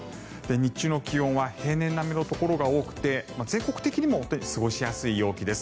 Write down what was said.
日中の気温は平年並みのところが多くて全国的にも本当に過ごしやすい陽気です。